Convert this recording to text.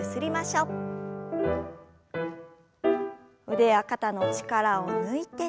腕や肩の力を抜いて。